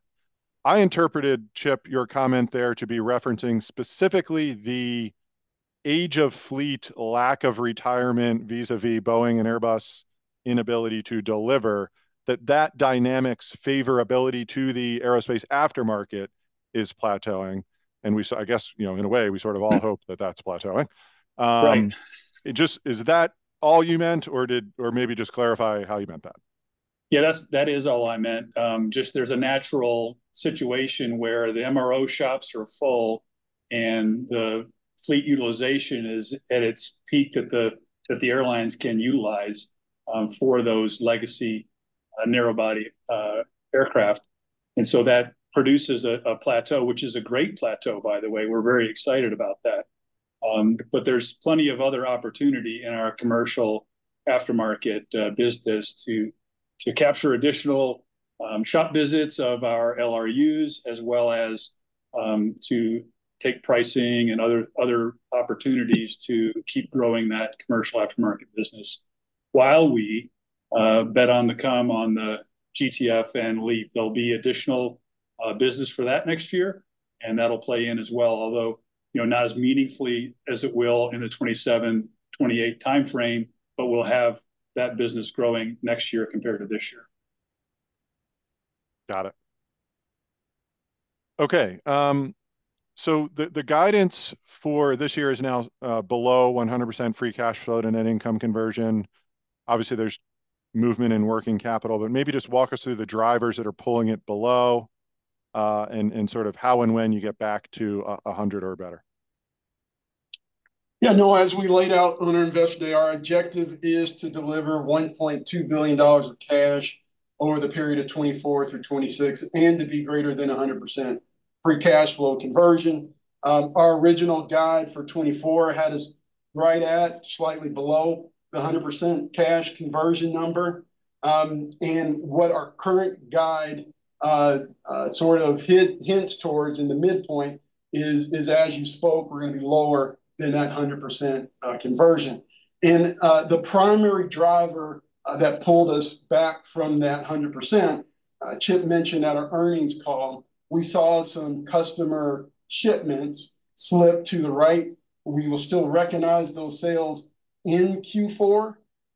I interpreted, Chip, your comment there to be referencing specifically the age of fleet, lack of retirement, vis-à-vis Boeing and Airbus inability to deliver, that that dynamic's favorability to the aerospace aftermarket is plateauing. I guess, you know, in a way, we sort of all hope that that's plateauing. Right. Is that all you meant, or did—or maybe just clarify how you meant that. Yeah, that's, that is all I meant. Just there's a natural situation where the MRO shops are full, and the fleet utilization is at its peak that the airlines can utilize for those legacy narrow body aircraft. And so that produces a plateau, which is a great plateau, by the way. We're very excited about that. But there's plenty of other opportunity in our commercial aftermarket business to capture additional shop visits of our LRUs, as well as to take pricing and other opportunities to keep growing that commercial aftermarket business. While we bet on the come on the GTF and LEAP, there'll be additional business for that next year, and that'll play in as well, although, you know, not as meaningfully as it will in the 2027, 2028 timeframe, but we'll have that business growing next year compared to this year. Got it. Okay, so the guidance for this year is now below 100% free cash flow net income conversion. Obviously, there's movement in working capital, but maybe just walk us through the drivers that are pulling it below, and sort of how and when you get back to a 100 or better. Yeah, no, as we laid out on our Investor Day, our objective is to deliver $1.2 billion of cash over the period of 2024 through 2026, and to be greater than 100% free cash flow conversion. Our original guide for 2024 had us right at, slightly below the 100% cash conversion number. And what our current guide sort of hints towards in the midpoint is, as you spoke, we're gonna be lower than that 100% conversion. And the primary driver that pulled us back from that 100%, Chip mentioned at our earnings call, we saw some customer shipments slip to the right. We will still recognize those sales in Q4,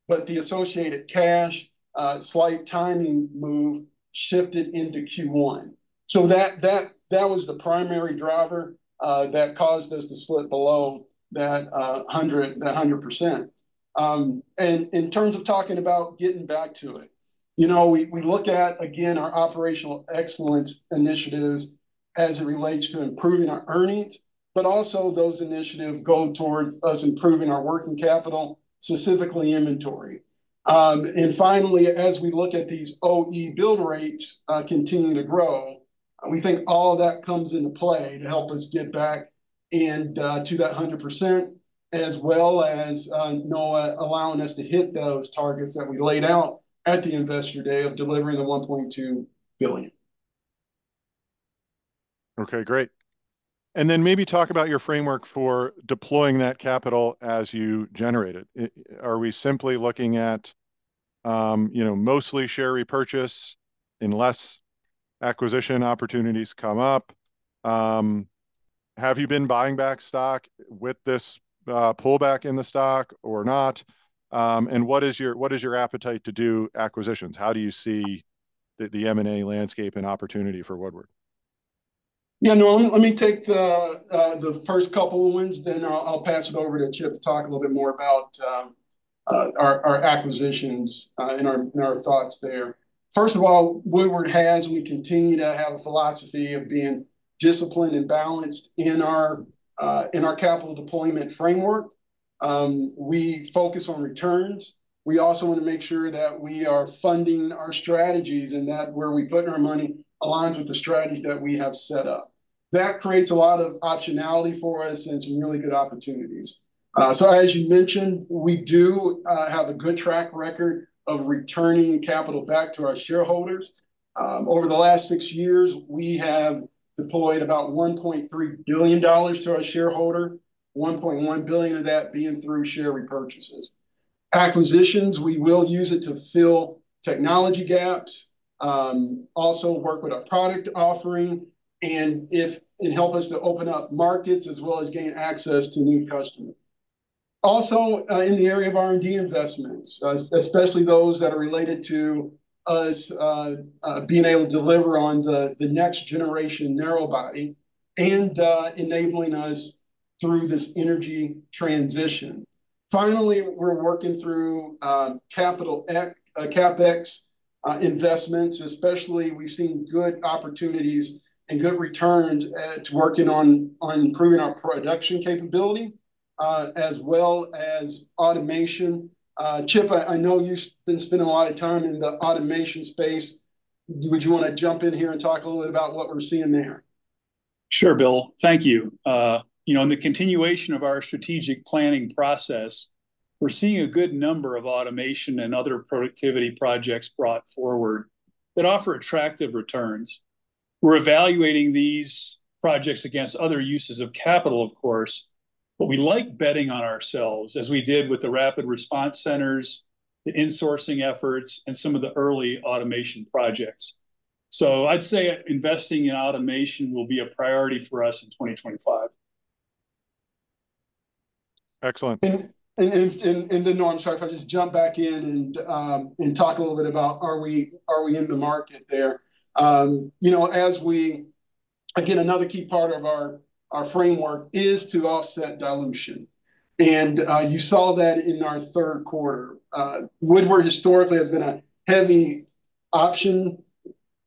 but the associated cash slight timing move shifted into Q1. That was the primary driver that caused us to slip below that 100%. In terms of talking about getting back to it, you know, we look at again our operational excellence initiatives as it relates to improving our earnings, but also those initiatives go towards us improving our working capital, specifically inventory. Finally, as we look at these OE build rates continuing to grow, we think all that comes into play to help us get back to that 100%, as well as Noah allowing us to hit those targets that we laid out at the Investor Day of delivering the $1.2 billion. Okay, great. And then maybe talk about your framework for deploying that capital as you generate it. Are we simply looking at, you know, mostly share repurchase, unless acquisition opportunities come up? Have you been buying back stock with this pullback in the stock or not? And what is your appetite to do acquisitions? How do you see the M&A landscape and opportunity for Woodward? Yeah, Noah, let me take the first couple of ones, then I'll pass it over to Chip to talk a little bit more about our acquisitions and our thoughts there. First of all, Woodward has, and we continue to have a philosophy of being disciplined and balanced in our capital deployment framework. We focus on returns. We also want to make sure that we are funding our strategies, and that where we're putting our money aligns with the strategies that we have set up. That creates a lot of optionality for us and some really good opportunities. So as you mentioned, we do have a good track record of returning capital back to our shareholders. Over the last six years, we have deployed about $1.3 billion to our shareholder, $1.1 billion of that being through share repurchases. Acquisitions, we will use it to fill technology gaps, also work with our product offering, and if it help us to open up markets as well as gain access to new customers. Also, in the area of R&D investments, especially those that are related to us, being able to deliver on the next-generation narrow body and enabling us through this energy transition. Finally, we're working through capital CapEx investments, especially we've seen good opportunities and good returns at working on improving our production capability, as well as automation. Chip, I know you've been spending a lot of time in the automation space. Would you wanna jump in here and talk a little bit about what we're seeing there? Sure, Bill. Thank you. You know, in the continuation of our strategic planning process, we're seeing a good number of automation and other productivity projects brought forward that offer attractive returns. We're evaluating these projects against other uses of capital, of course, but we like betting on ourselves, as we did with the Rapid Response Centers, the insourcing efforts, and some of the early automation projects. So I'd say investing in automation will be a priority for us in 2025. Excellent. Noah, I'm sorry, if I just jump back in and talk a little bit about, are we in the market there? You know, again, another key part of our framework is to offset dilution, and you saw that in our Q3. Woodward historically has been a heavy option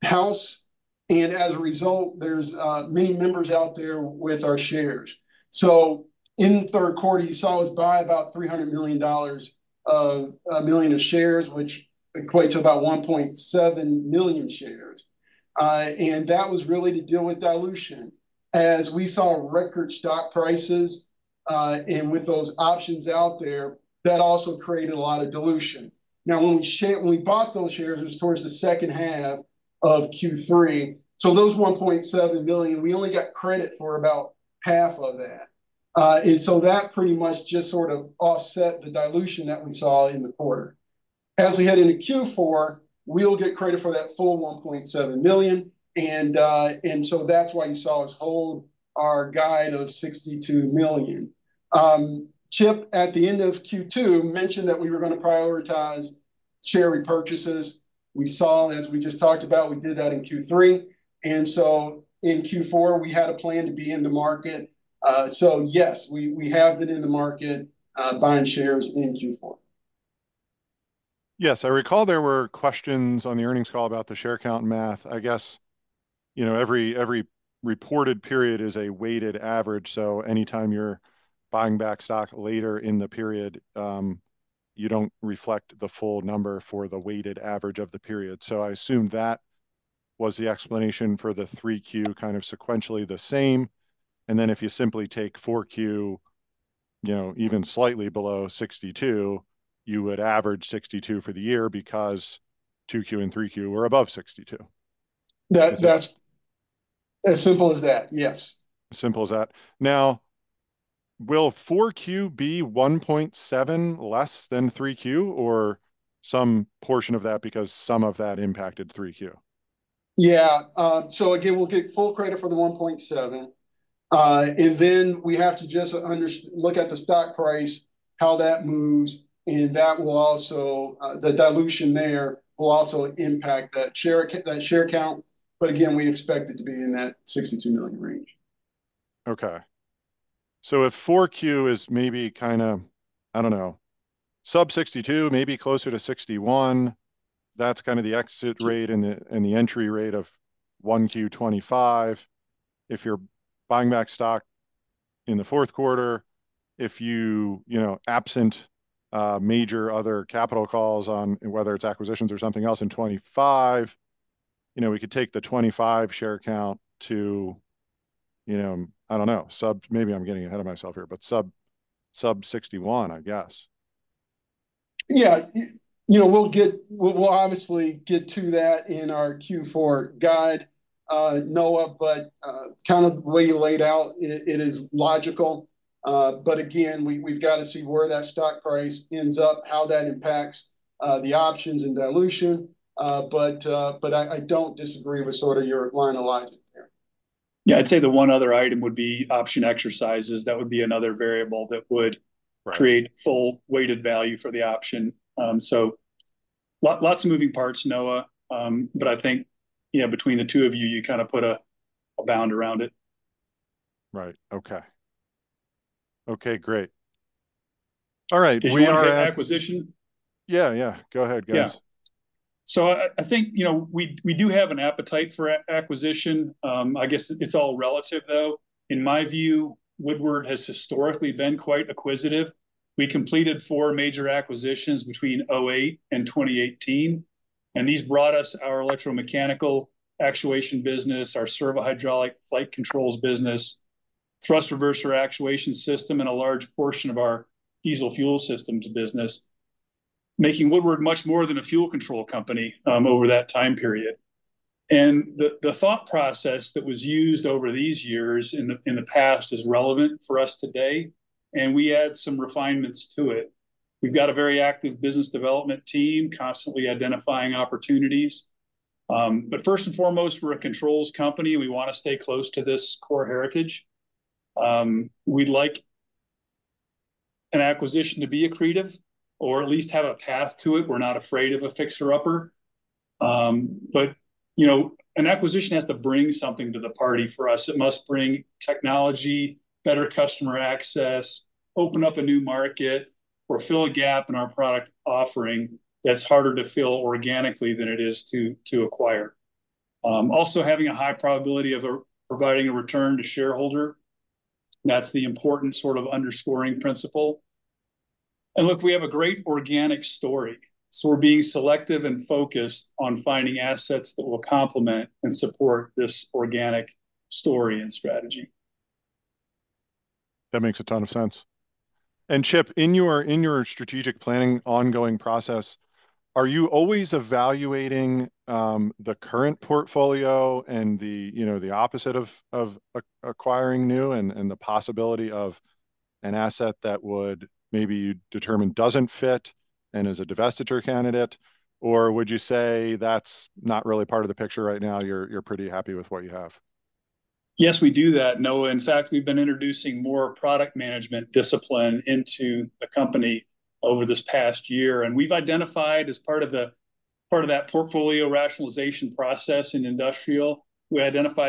house, and as a result, there's many members out there with our shares. So in the Q3, you saw us buy about $300 million of shares, which equates to about 1.7 million shares, and that was really to deal with dilution. As we saw record stock prices, and with those options out there, that also created a lot of dilution. Now, when we bought those shares, it was towards the H1 of Q3, so those 1.7 million, we only got credit for about half of that. And so that pretty much just sort of offset the dilution that we saw in the quarter. As we head into Q4, we'll get credit for that full 1.7 million, and so that's why you saw us hold our guide of 62 million. Chip, at the end of Q2, mentioned that we were gonna prioritize share repurchases. We saw, as we just talked about, we did that in Q3, and so in Q4, we had a plan to be in the market. So yes, we have been in the market, buying shares in Q4. Yes, I recall there were questions on the earnings call about the share count math. I guess, you know, every reported period is a weighted average, so anytime you're buying back stock later in the period, you don't reflect the full number for the weighted average of the period. So I assume that was the explanation for the 3Q, kind of sequentially the same, and then if you simply take 4Q, you know, even slightly below 62, you would average 62 for the year because 2Q and 3Q were above 62. That, that's as simple as that, yes. Simple as that. Now, will Q4 be 1.7 less than three Q, or some portion of that because some of that impacted Q3? Yeah, so again, we'll get full credit for the $1.7, and then we have to just look at the stock price, how that moves, and that will also, the dilution there will also impact that share count, but again, we expect it to be in that 62 million range. Okay. So if 4Q is maybe kinda, I don't know, sub 62, maybe closer to 61, that's kind of the exit rate and the entry rate of 1Q 2025. If you're buying back stock in the Q4, if you, you know, absent major other capital calls on whether it's acquisitions or something else in 2025, you know, we could take the 2025 share count to, you know, I don't know, sub... Maybe I'm getting ahead of myself here, but sub, sub 61, I guess. Yeah. You know, we'll obviously get to that in our Q4 guide, Noah, but kind of the way you laid out, it is logical. But again, we've gotta see where that stock price ends up, how that impacts the options and dilution. But I don't disagree with sort of your line of logic there. Yeah, I'd say the one other item would be option exercises. That would be another variable that would- Right... create full weighted value for the option. So lots of moving parts, Noah. But I think, you know, between the two of you, you kind of put a bound around it. Right. Okay. Okay, great. All right. Did you want the acquisition? Yeah, yeah. Go ahead, guys. Yeah. So I think, you know, we do have an appetite for acquisition. I guess it's all relative, though. In my view, Woodward has historically been quite acquisitive. We completed four major acquisitions between 2008 and 2018, and these brought us our electromechanical actuation business, our servo-hydraulic flight controls business, thrust reverser actuation system, and a large portion of our diesel fuel systems business, making Woodward much more than a fuel control company over that time period. And the thought process that was used over these years in the past is relevant for us today, and we add some refinements to it. We've got a very active business development team constantly identifying opportunities. But first and foremost, we're a controls company. We wanna stay close to this core heritage. We'd like an acquisition to be accretive or at least have a path to it. We're not afraid of a fixer-upper. But, you know, an acquisition has to bring something to the party. For us, it must bring technology, better customer access, open up a new market, or fill a gap in our product offering that's harder to fill organically than it is to acquire. Also, having a high probability of providing a return to shareholder, that's the important sort of underscoring principle. Look, we have a great organic story, so we're being selective and focused on finding assets that will complement and support this organic story and strategy. That makes a ton of sense. And Chip, in your strategic planning ongoing process, are you always evaluating the current portfolio and the, you know, the opposite of acquiring new and the possibility of an asset that would maybe you determine doesn't fit and is a divestiture candidate? Or would you say that's not really part of the picture right now, you're pretty happy with what you have? Yes, we do that, Noah. In fact, we've been introducing more product management discipline into the company over this past year, and we've identified as part of the... part of that portfolio rationalization process in industrial,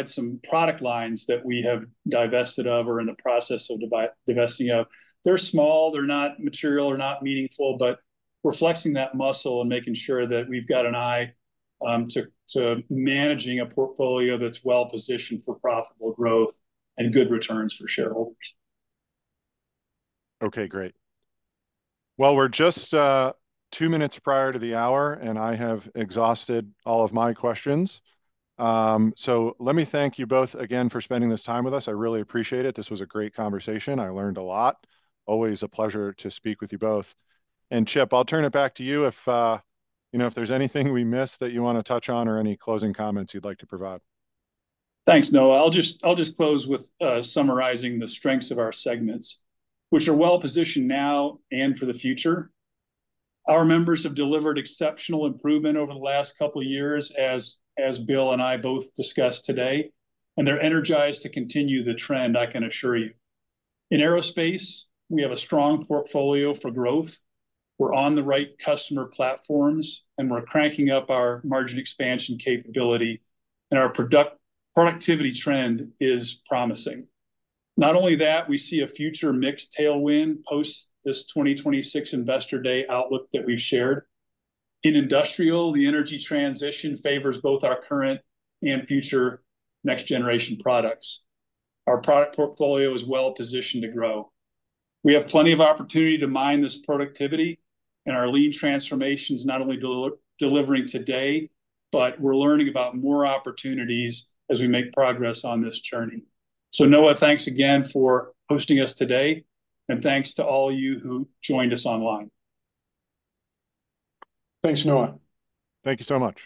some product lines that we have divested of or in the process of divesting of. They're small, they're not material or not meaningful, but we're flexing that muscle and making sure that we've got an eye to managing a portfolio that's well-positioned for profitable growth and good returns for shareholders. Okay, great. Well, we're just two minutes prior to the hour, and I have exhausted all of my questions. So let me thank you both again for spending this time with us. I really appreciate it. This was a great conversation. I learned a lot. Always a pleasure to speak with you both. And Chip, I'll turn it back to you if you know, if there's anything we missed that you wanna touch on or any closing comments you'd like to provide. Thanks, Noah. I'll just close with summarizing the strengths of our segments, which are well-positioned now and for the future. Our members have delivered exceptional improvement over the last couple of years as Bill and I both discussed today, and they're energized to continue the trend, I can assure you. In aerospace, we have a strong portfolio for growth. We're on the right customer platforms, and we're cranking up our margin expansion capability, and our productivity trend is promising. Not only that, we see a future mixed tailwind post this 2026 Investor Day outlook that we've shared. In industrial, the energy transition favors both our current and future next-generation products. Our product portfolio is well positioned to grow. We have plenty of opportunity to mine this productivity, and our lean transformation is not only delivering today, but we're learning about more opportunities as we make progress on this journey. So Noah, thanks again for hosting us today, and thanks to all you who joined us online. Thanks, Noah. Thank you so much.